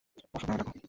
অশোক নামে ডাকো।